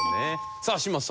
さあ嶋佐さん